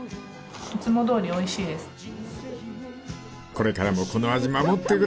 ［これからもこの味守ってくれよな］